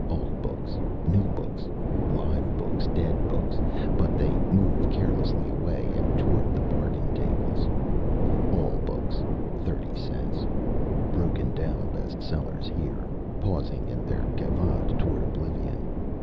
Old books, new books, live books, dead books but they move carelessly away and toward the bargain tables "All Books 30 Cents." Broken down best sellers here pausing in their gavotte toward oblivion.